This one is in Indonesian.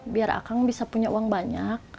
biar akang bisa punya uang banyak